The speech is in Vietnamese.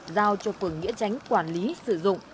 giao cho phường nghĩa tránh quản lý sử dụng